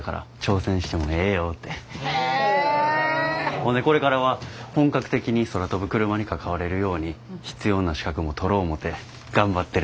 ほんでこれからは本格的に空飛ぶクルマに関われるように必要な資格も取ろ思て頑張ってるとこです。